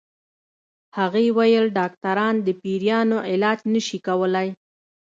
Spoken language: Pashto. هغې ويل ډاکټران د پيريانو علاج نشي کولی